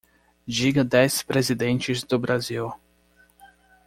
Diga dez Presidentes do Brasil.